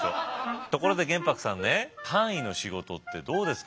ところで玄白さんね藩医の仕事ってどうですか？